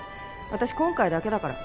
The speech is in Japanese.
私今回だけだから。